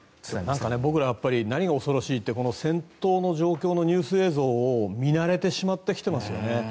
僕ら、やっぱり何が恐ろしいってこの戦闘の状況のニュースに見慣れてしまってきていますよね。